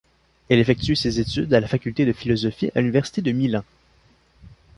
Elle effectue ses études à la faculté de philosophie à l’université de Milan.